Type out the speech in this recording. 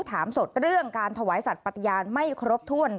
ถามสดเรื่องการถวายสัตว์ปฏิญาณไม่ครบถ้วน